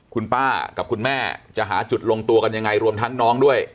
คุณป้ากับคุณแม่จะหาจุดลงตัวกันยังไงรวมทั้งน้องด้วย